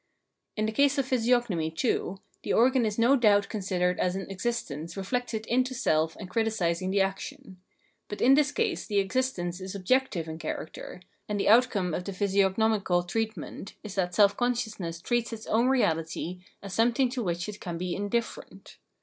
In the case of physiognomy, too, the organ is no doubt considered as an existence reflected into seK and criticising the action. But in this case the existence is objective in character, and the outcome of the physiog nomical treatment is that self consciousness treats its own reahty as something to which it can be indifierent.